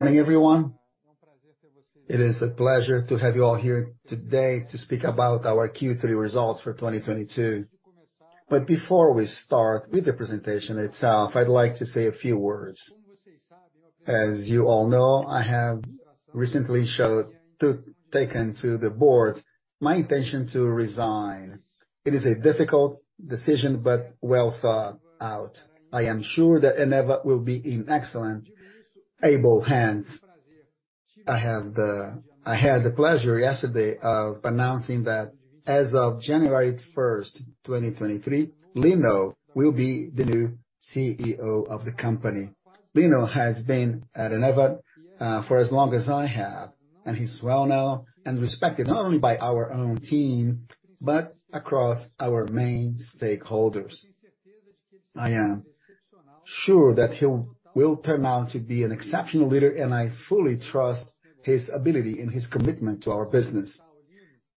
Good morning, everyone. It is a pleasure to have you all here today to speak about our Q3 results for 2022. Before we start with the presentation itself, I'd like to say a few words. As you all know, I have recently taken to the board my intention to resign. It is a difficult decision, but well thought out. I am sure that Eneva will be in excellent, able hands. I had the pleasure yesterday of announcing that as of January first, 2023, Lino will be the new CEO of the company. Lino has been at Eneva for as long as I have, and he's well known and respected, not only by our own team, but across our main stakeholders. I am sure that he will turn out to be an exceptional leader, and I fully trust his ability and his commitment to our business.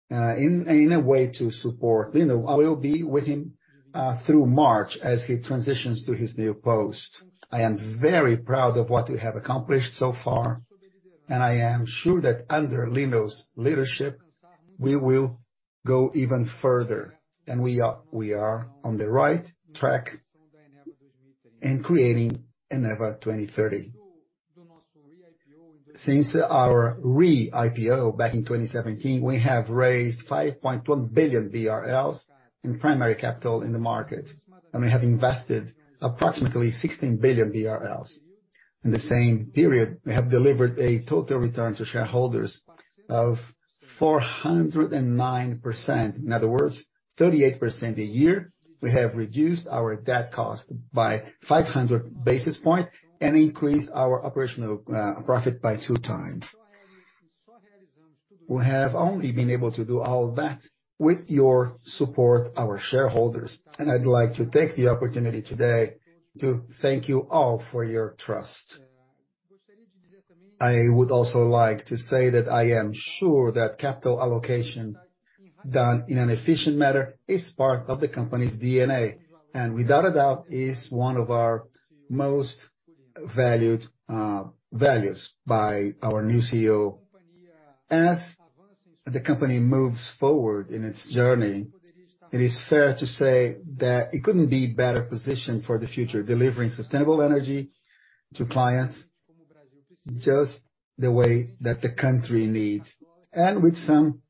In a way to support Lino, I will be with him through March as he transitions to his new post. I am very proud of what we have accomplished so far, and I am sure that under Lino's leadership, we will go even further, and we are on the right track in creating Eneva 2030. Since our re-IPO back in 2017, we have raised 5.1 billion BRL in primary capital in the market, and we have invested approximately 16 billion BRL. In the same period, we have delivered a total return to shareholders of 409%. In other words, 38% a year. We have reduced our debt cost by 500 basis points and increased our operational profit by 2 times. We have only been able to do all that with your support, our shareholders. I'd like to take the opportunity today to thank you all for your trust. I would also like to say that I am sure that capital allocation done in an efficient manner is part of the company's DNA, and without a doubt is one of our most valued values by our new CEO. As the company moves forward in its journey, it is fair to say that it couldn't be better positioned for the future, delivering sustainable energy to clients just the way that the country needs. With some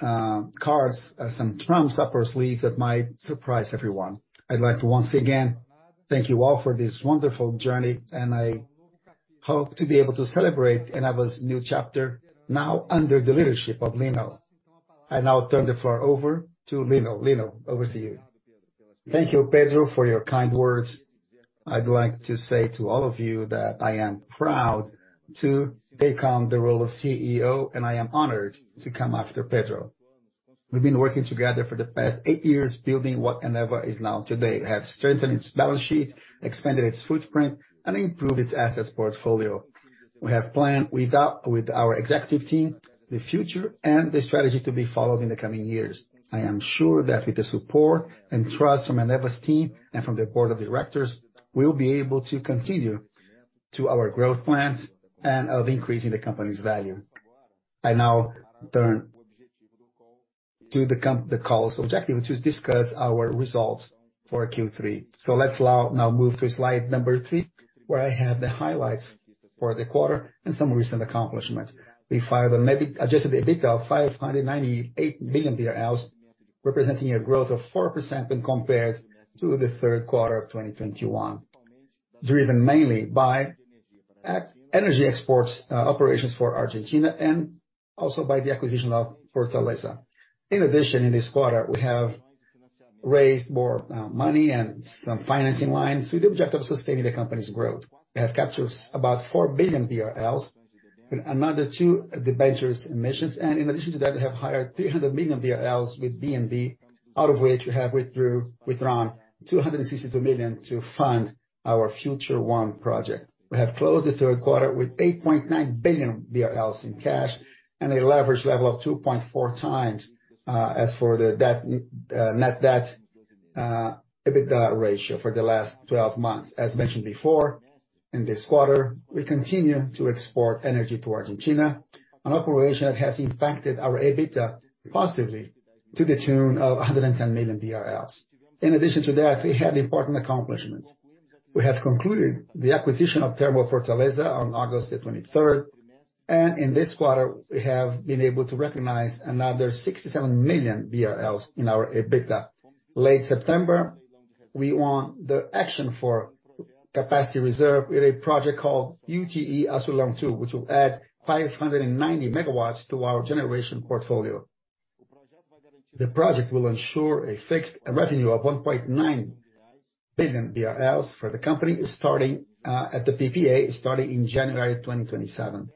trumps up our sleeves that might surprise everyone. I'd like to once again thank you all for this wonderful journey, and I hope to be able to celebrate Eneva's new chapter now under the leadership of Lino. I now turn the floor over to Lino. Lino, over to you. Thank you, Pedro, for your kind words. I'd like to say to all of you that I am proud to take on the role of CEO, and I am honored to come after Pedro. We've been working together for the past eight years, building what Eneva is now today. We have strengthened its balance sheet, expanded its footprint, and improved its assets portfolio. We have planned with our executive team, the future and the strategy to be followed in the coming years. I am sure that with the support and trust from Eneva's team and from the board of directors, we will be able to continue to our growth plans and of increasing the company's value. I now turn to the call's objective, which is discuss our results for Q3. Let's now move to slide number three, where I have the highlights for the quarter and some recent accomplishments. We filed an adjusted EBITDA of 598 billion BRL, representing a growth of 4% when compared to the third quarter of 2021, driven mainly by energy exports, operations for Argentina and also by the acquisition of Fortaleza. In addition, in this quarter, we have raised more money and some financing lines with the objective of sustaining the company's growth. We have captured about 4 billion BRL with another two debentures emissions. In addition to that, we have hired 300 million BRL with BB, out of which we have withdrawn 262 million to fund our Futura 1 project. We have closed the third quarter with 8.9 billion BRL in cash and a leverage level of 2.4 times net debt to EBITDA ratio for the last twelve months. As mentioned before, in this quarter, we continue to export energy to Argentina, an operation that has impacted our EBITDA positively to the tune of 110 million BRL. In addition to that, we have important accomplishments. We have concluded the acquisition of TermoFortaleza on August 23, and in this quarter, we have been able to recognize another 67 million BRL in our EBITDA. Late September, we won the auction for capacity reserve in a project called UTE Azulão II, which will add 590 MW to our generation portfolio. The project will ensure a fixed revenue of 1.9 billion BRL for the company starting at the PPA, starting in January 2027.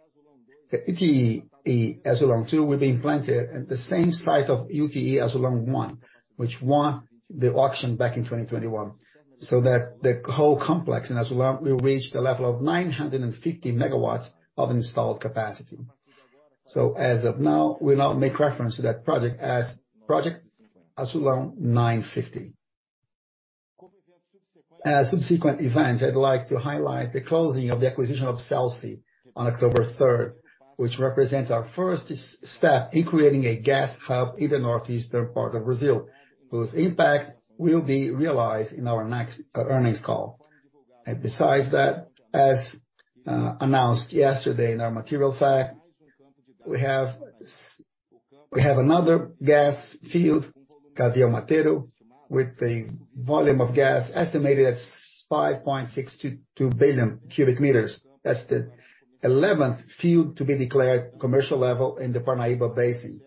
The UTE Azulão II will be implemented at the same site of UTE Azulão I, which won the auction back in 2021, so that the whole Complexo Azulão will reach the level of 950 MW of installed capacity. As of now, we make reference to that project as Project Azulão 950. Subsequent events, I'd like to highlight the closing of the acquisition of CELSEPAR on October third, which represents our first step in creating a gas hub in the northeastern part of Brazil, whose impact will be realized in our next earnings call. Besides that, as announced yesterday in our material fact, we have another gas field, Gavião Mateiro, with the volume of gas estimated at 5.622 billion cubic meters. That's the eleventh field to be declared commercial level in the Parnaíba Basin,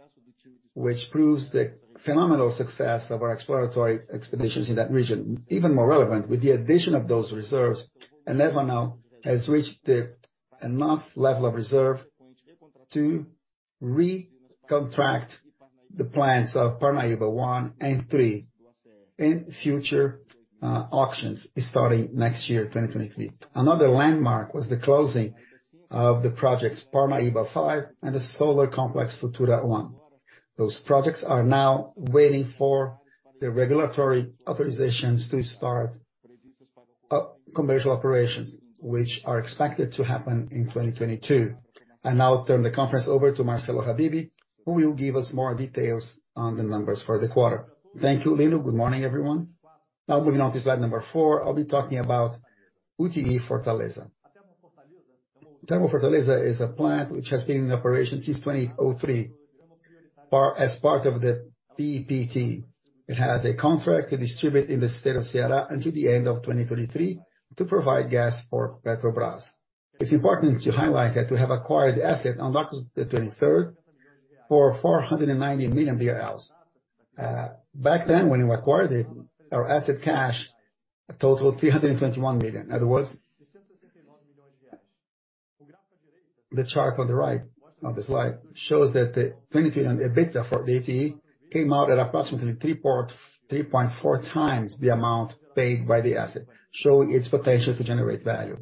which proves the phenomenal success of our exploratory expeditions in that region. Even more relevant, with the addition of those reserves, Eneva now has reached the enough level of reserves to recontract the plants of Parnaíba I and III in future auctions starting next year, 2023. Another landmark was the closing of the projects Parnaíba V and the Complexo Solar Futura 1. Those projects are now waiting for the regulatory authorizations to start commercial operations, which are expected to happen in 2022. Now I'll turn the conference over to Marcelo Habibe, who will give us more details on the numbers for the quarter. Thank you, Lino. Good morning, everyone. Now moving on to slide number four, I'll be talking about UTE Fortaleza. TermoFortaleza is a plant which has been in operation since 2003. As part of the PPA, it has a contract to distribute in the state of Ceará until the end of 2023 to provide gas for Petrobras. It's important to highlight that we have acquired the asset on August 23 for 490 million BRL. Back then, when we acquired it, our asset cash totaled 321 million. In other words, the chart on the right of the slide shows that the 2023 EBITDA for the UTE came out at approximately 3.4 times the amount paid by the asset, showing its potential to generate value.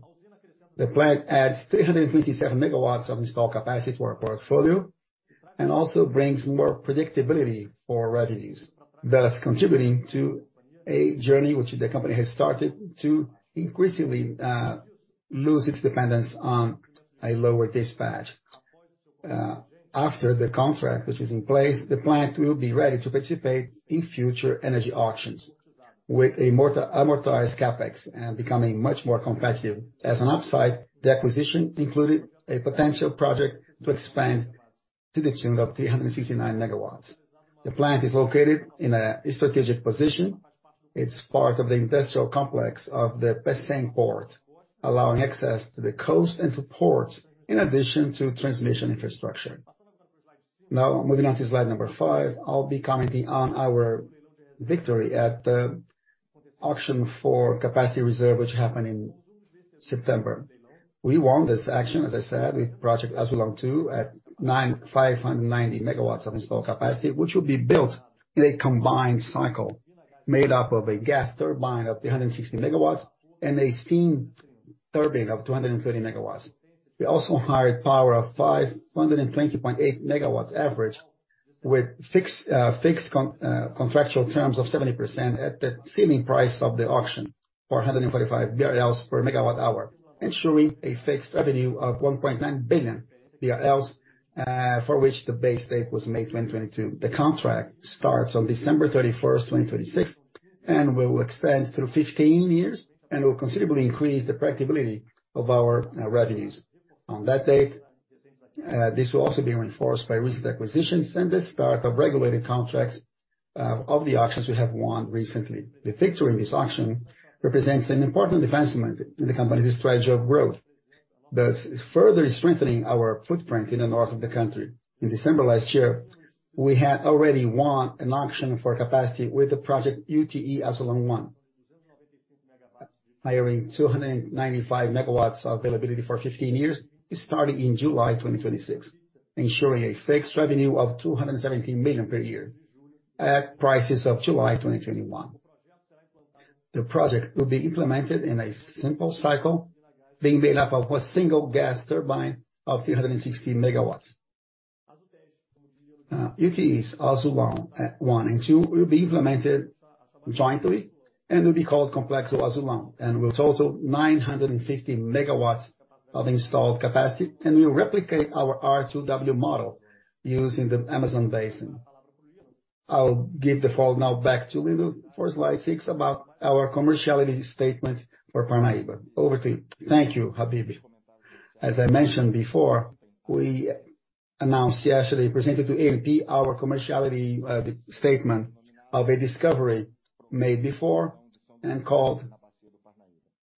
The plant adds 327 MW of installed capacity to our portfolio and also brings more predictability for revenues, thus contributing to a journey which the company has started to increasingly lose its dependence on a lower dispatch. After the contract, which is in place, the plant will be ready to participate in future energy auctions with a amortized CapEx and becoming much more competitive. As an upside, the acquisition included a potential project to expand to the tune of 369 MW. The plant is located in a strategic position. It's part of the industrial complex of the Pecém port, allowing access to the coast and to ports, in addition to transmission infrastructure. Now moving on to slide number five, I'll be commenting on our victory at the auction for capacity reserve which happened in September. We won this auction, as I said, with Project Azulão Two at 950 MWs of installed capacity, which will be built in a combined cycle made up of a gas turbine of 360 megawatts and a steam turbine of 230 megawatts. We also hired power of 520.8 megawatts average with fixed contractual terms of 70% at the ceiling price of the auction, 445 BRL per megawatt hour, ensuring a fixed revenue of 1.9 billion BRL, for which the base date was May 2022. The contract starts on December 31, 2026, and will extend through 15 years and will considerably increase the predictability of our revenues on that date. This will also be reinforced by recent acquisitions and the start of regulated contracts of the auctions we have won recently. The victory in this auction represents an important advancement in the company's strategy of growth, thus further strengthening our footprint in the north of the country. In December last year, we had already won an auction for capacity with the project UTE Azulão I, hiring 295 MW availability for 15 years starting in July 2026, ensuring a fixed revenue of 217 million per year at prices of July 2021. The project will be implemented in a simple cycle being made up of a single gas turbine of 360 MW. UTE Azulão I and II will be implemented jointly and will be called Complexo Azulão with total 950 MW of installed capacity, and will replicate our R2W model used in the Amazonas Basin. I'll give the floor now back to Lino for slide six about our commerciality statement for Parnaíba. Over to you. Thank you, Habibe. As I mentioned before, we announced yesterday, presented to ANP our commerciality statement of a discovery made before and called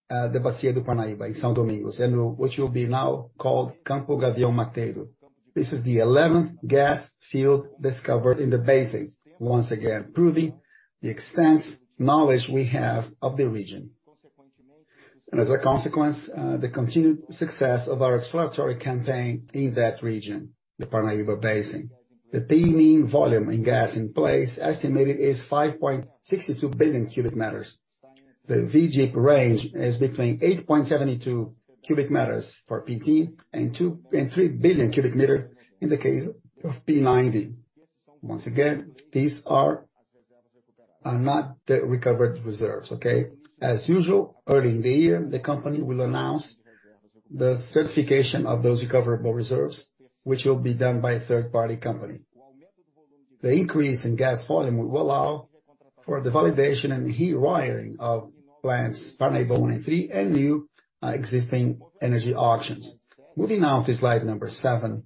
the Bacia do Parnaíba in São Domingos, which will now be called Campo Gavião Mateiro. This is the eleventh gas field discovered in the basin, once again proving the extensive knowledge we have of the region. As a consequence, the continued success of our exploratory campaign in that region, the Parnaíba Basin. The VGIP volume in gas in place estimated is 5.62 billion cubic meters. The VGIP range is between 8.72 billion cubic meters for P10 and 2.3 billion cubic meters in the case of P90. Once again, these are not the recovered reserves, okay? As usual, early in the year, the company will announce the certification of those recoverable reserves, which will be done by a third party company. The increase in gas volume will allow for the validation and R2W of plants Parnaíba I and III, and new and existing energy auctions. Moving now to slide seven,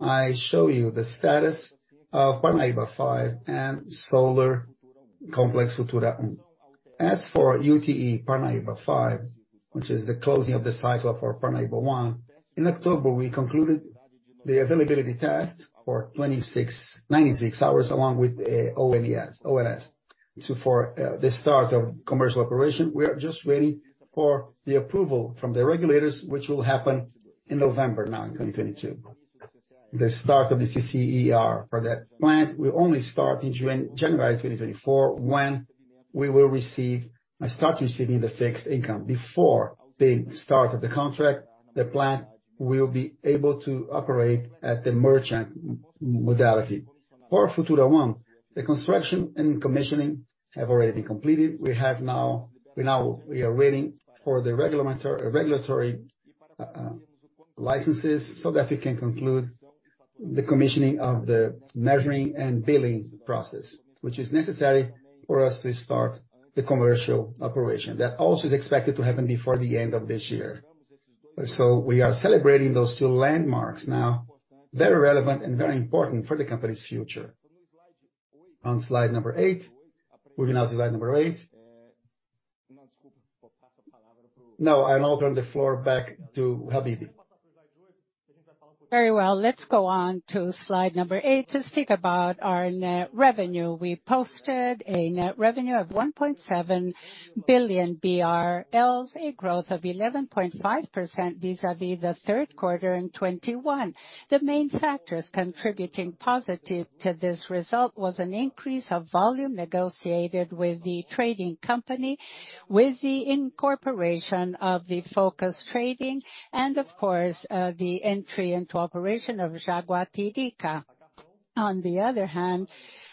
I show you the status of Parnaíba V and Complexo Solar Futura 1. As for UTE Parnaíba V, which is the closing of the cycle for Parnaíba I, in October, we concluded the availability test for 2,696 hours along with ONS. For the start of commercial operation, we are just waiting for the approval from the regulators, which will happen in November 2022. The start of the CCEAR for that plant will only start in January 2024, when we will start receiving the fixed income. Before the start of the contract, the plant will be able to operate at the merchant modality. For Futura 1, the construction and commissioning have already been completed. We are waiting for the regulatory licenses so that we can conclude the commissioning of the measuring and billing process. Which is necessary for us to start the commercial operation. That also is expected to happen before the end of this year. We are celebrating those two landmarks now, very relevant and very important for the company's future. On slide eight. Moving now to slide number eight. Now I will turn the floor back to Habibe. Very well. Let's go on to slide number eight to speak about our net revenue. We posted a net revenue of 1.7 billion BRL, a growth of 11.5% vis-a-vis the third quarter of 2021. The main factors contributing positive to this result was an increase of volume negotiated with the trading company, with the incorporation of the Focus Energia and of course, the entry into operation of Jaguatirica. On the other hand,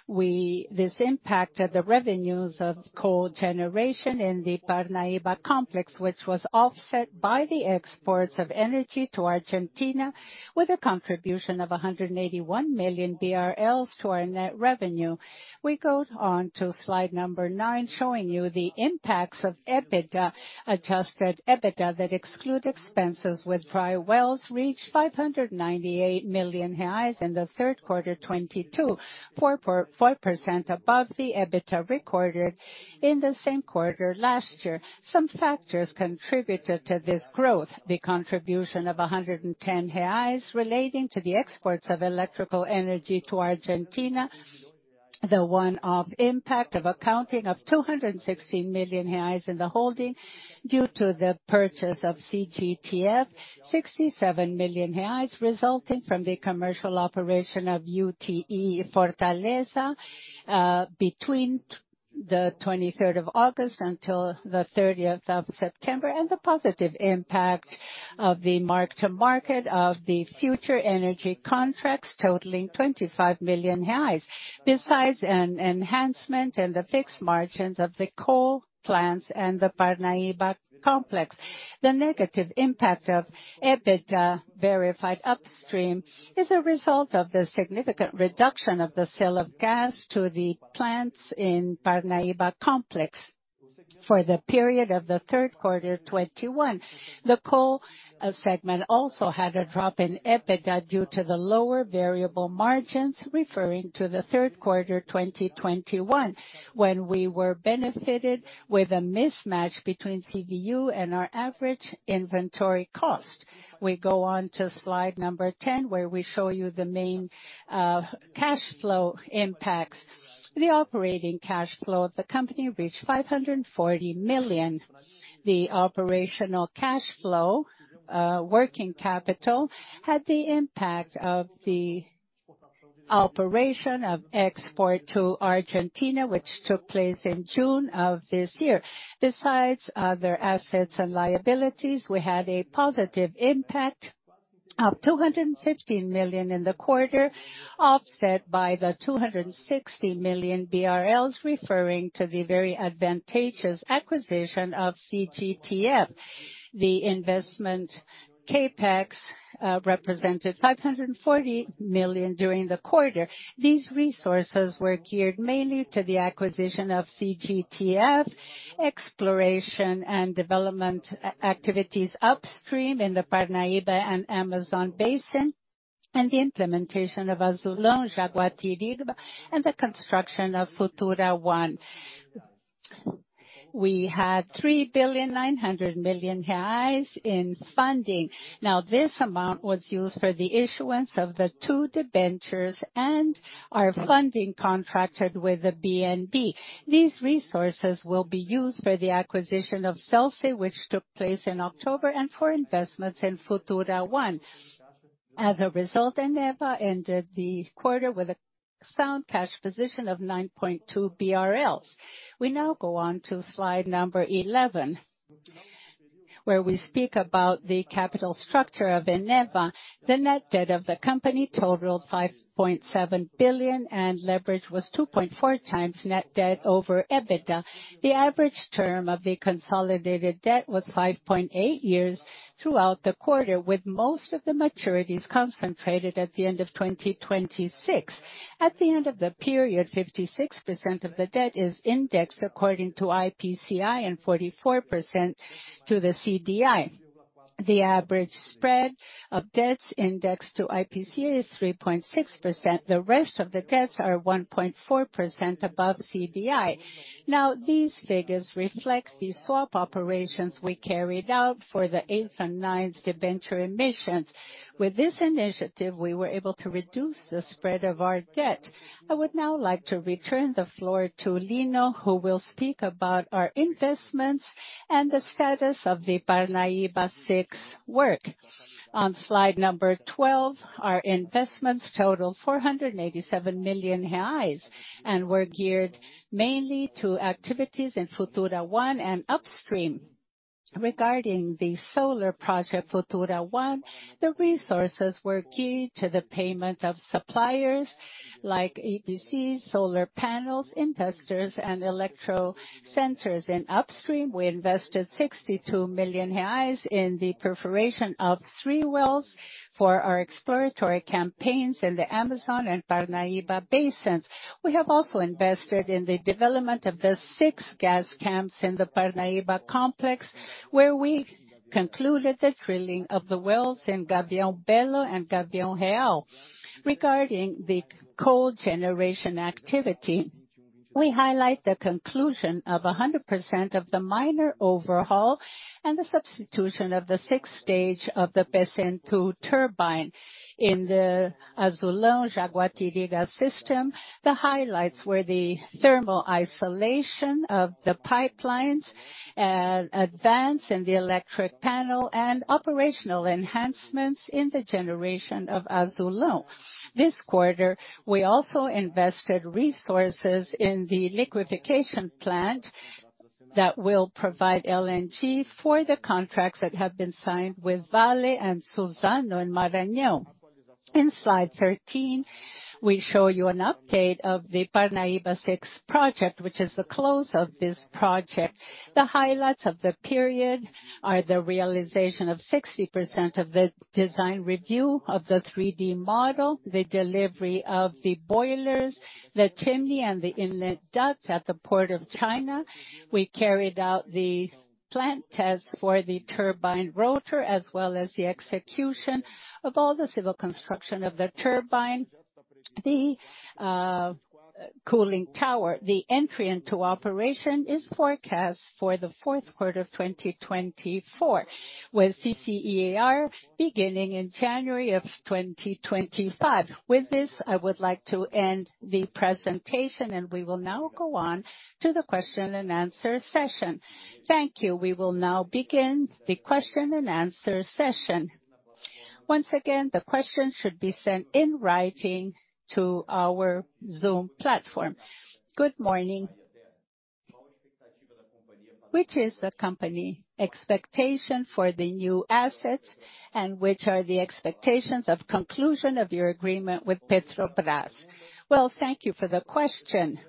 this impacted the revenues of coal generation in the Parnaíba Complex, which was offset by the exports of energy to Argentina, with a contribution of 181 million BRL to our net revenue. We go on to slide number nine, showing you the impacts of EBITDA. Adjusted EBITDA that exclude expenses with prior wells reached 598 million reais in the third quarter of 2022. 4.4% above the EBITDA recorded in the same quarter last year. Some factors contributed to this growth. The contribution of 110 reais relating to the exports of electrical energy to Argentina. The one-off impact of accounting of 216 million reais in the holding due to the purchase of CGTF. 67 million reais resulting from the commercial operation of UTE Fortaleza between the twenty-third of August until the thirtieth of September. The positive impact of the mark to market of the future energy contracts totaling 25 million reais. Besides an enhancement in the fixed margins of the coal plants and the Parnaíba Complex. The negative impact of EBITDA verified upstream is a result of the significant reduction of the sale of gas to the plants in Parnaíba Complex for the period of the third quarter 2021. The coal segment also had a drop in EBITDA due to the lower variable margins, referring to the third quarter 2021, when we were benefited with a mismatch between CBU and our average inventory cost. We go on to slide number 10, where we show you the main cash flow impacts. The operating cash flow of the company reached 540 million. The operational cash flow working capital had the impact of the operation of export to Argentina, which took place in June of this year. Besides other assets and liabilities, we had a positive impact of 215 million in the quarter, offset by the 260 million BRL, referring to the very advantageous acquisition of CGTF. The investment CapEx represented 540 million during the quarter. These resources were geared mainly to the acquisition of CGTF, exploration and development activities upstream in the Parnaíba and Amazon basin, and the implementation of Azulão, Jaguatirica, and the construction of Futura 1. We had 3.9 billion in funding. Now this amount was used for the issuance of the two debentures and our funding contracted with the BNB. These resources will be used for the acquisition of CELSEPAR, which took place in October, and for investments in Futura 1. As a result, Eneva ended the quarter with a sound cash position of 9.2 billion BRL. We now go on to slide number 11. Where we speak about the capital structure of Eneva. The net debt of the company totaled 5.7 billion, and leverage was 2.4x net debt over EBITDA. The average term of the consolidated debt was 5.8 years throughout the quarter, with most of the maturities concentrated at the end of 2026. At the end of the period, 56% of the debt is indexed according to IPCA and 44% to the CDI. The average spread of debts indexed to IPCA is 3.6%. The rest of the debts are 1.4% above CDI. Now, these figures reflect the swap operations we carried out for the eighth and ninth debenture emissions. With this initiative, we were able to reduce the spread of our debt. I would now like to return the floor to Lino, who will speak about our investments and the status of the Parnaíba VI work. On slide number 12, our investments total 487 million reais, and we're geared mainly to activities in Futura 1 and upstream. Regarding the solar project, Futura 1, the resources were key to the payment of suppliers like ABC, solar panels, investors, and electro centers. In upstream, we invested 62 million reais in the perforation of three wells for our exploratory campaigns in the Amazon and Parnaíba basins. We have also invested in the development of the six gas camps in the Parnaíba complex, where we concluded the drilling of the wells in Gavião Belo and Gavião Real. Regarding the cogeneration activity, we highlight the conclusion of 100% of the minor overhaul and the substitution of the sixth stage of the Pecém II turbine. In the Azulão-Jaguatirica system, the highlights were the thermal isolation of the pipelines, advance in the electric panel, and operational enhancements in the generation of Azulão. This quarter, we also invested resources in the liquification plant that will provide LNG for the contracts that have been signed with Vale and Suzano in Maranhão. In slide 13, we show you an update of the Parnaíba VI project, which is the close of this project. The highlights of the period are the realization of 60% of the design review of the 3-D model, the delivery of the boilers, the chimney, and the inlet duct at the Port of China. We carried out the plant test for the turbine rotor, as well as the execution of all the civil construction of the turbine, the cooling tower. The entry into operation is forecast for the fourth quarter of 2024, with CCEAR beginning in January of 2025. With this, I would like to end the presentation, and we will now go on to the question and answer session. Thank you. We will now begin the question-and-answer session. Once again, the questions should be sent in writing to our Zoom platform. Good morning. Which is the company expectation for the new assets, and which are the expectations of conclusion of your agreement with Petrobras? Well, thank you for the question.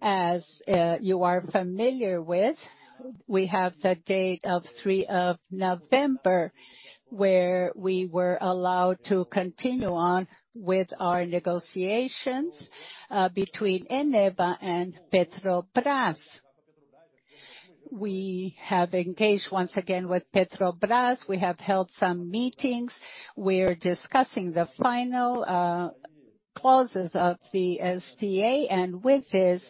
As you are familiar with, we have the date of three of November, where we were allowed to continue on with our negotiations between Eneva and Petrobras. We have engaged once again with Petrobras. We have held some meetings. We're discussing the final clauses of the SDA, and with this,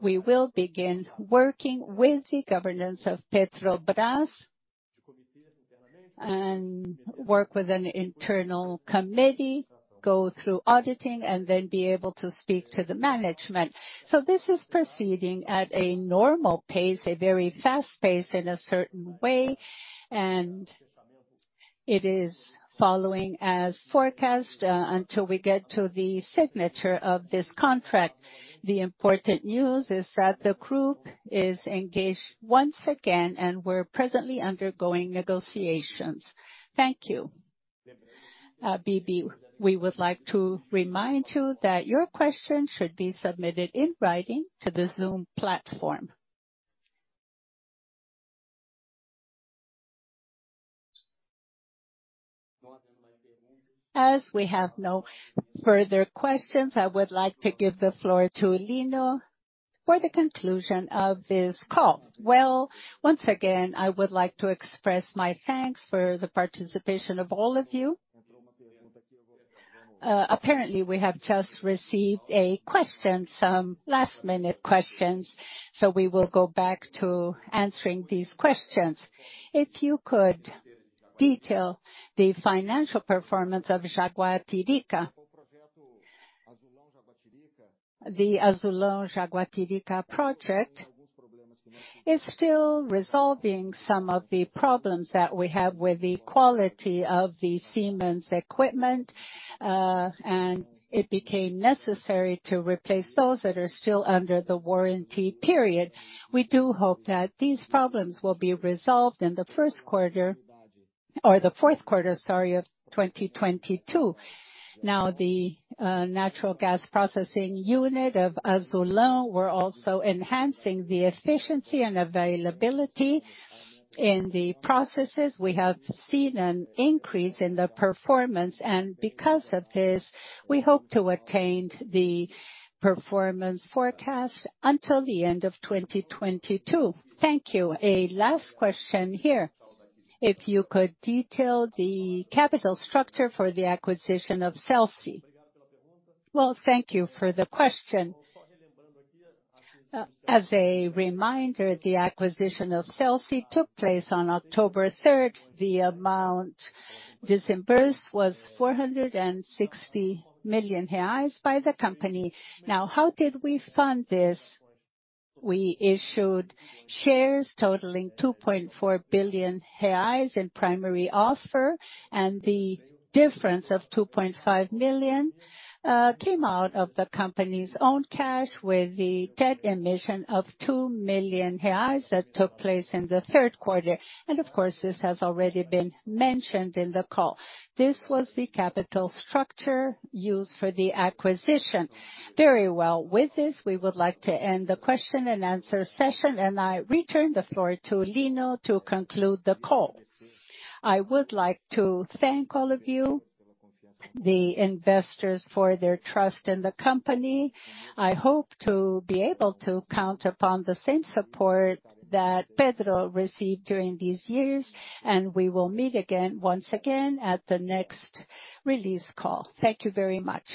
we will begin working with the governance of Petrobras and work with an internal committee, go through auditing, and then be able to speak to the management. This is proceeding at a normal pace, a very fast pace in a certain way, and it is following as forecast until we get to the signature of this contract. The important news is that the group is engaged once again, and we're presently undergoing negotiations. Thank you. BB, we would like to remind you that your question should be submitted in writing to the Zoom platform. As we have no further questions, I would like to give the floor to Lino for the conclusion of this call. Well, once again, I would like to express my thanks for the participation of all of you. Apparently, we have just received a question, some last-minute questions, so we will go back to answering these questions. If you could detail the financial performance of Jaguatirica. The Azulão-Jaguatirica project is still resolving some of the problems that we have with the quality of the Siemens equipment, and it became necessary to replace those that are still under the warranty period. We do hope that these problems will be resolved in the fourth quarter, sorry, of 2022. Now the natural gas processing unit of Azulão, we are also enhancing the efficiency and availability in the processes. We have seen an increase in the performance. Because of this, we hope to attain the performance forecast until the end of 2022. Thank you. A last question here. If you could detail the capital structure for the acquisition of CELSEPAR. Well, thank you for the question. As a reminder, the acquisition of CELSEPAR took place on October 3. The amount disbursed was 460 million reais by the company. Now, how did we fund this? We issued shares totaling 2.4 billion reais in primary offer, and the difference of 2.5 million came out of the company's own cash with the debt emission of 2 million reais that took place in the third quarter. Of course, this has already been mentioned in the call. This was the capital structure used for the acquisition. Very well. With this, we would like to end the question and answer session, and I return the floor to Lino to conclude the call. I would like to thank all of you, the investors, for their trust in the company. I hope to be able to count upon the same support that Pedro received during these years, and we will meet again, once again at the next release call. Thank you very much.